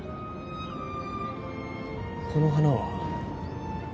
この花は？